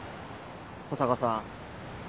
保坂さん。